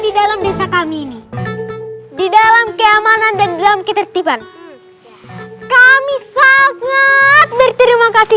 di dalam desa kami ini di dalam keamanan dan dalam ketertiban kami sangat berterima kasih